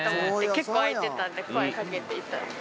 結構開いてたんで声かけて。